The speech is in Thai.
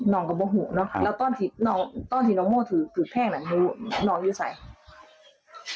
น้องกับโมหูเนอะแล้วตอนที่น้องโมหูถือแพร่ไหนน้องอยู่ใส่